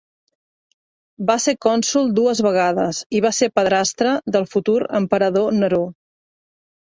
Va ser cònsol dues vegades, i va ser padrastre del futur emperador Neró.